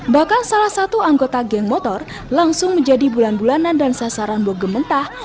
bahkan salah satu anggota geng motor langsung menjadi bulan bulanan dan sasaran bogem mentah